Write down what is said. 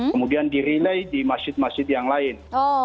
kemudian dirilai di masjid masjid yang lain